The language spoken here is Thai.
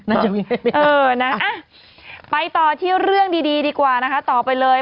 เออนะไปต่อที่เรื่องดีดีกว่านะคะต่อไปเลย